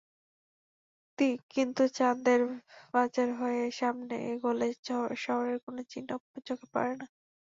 কিন্তু চান্দেরবাজার হয়ে সামনে এগোলে শহরের কোনো চিহ্ন চোখে পড়ে না।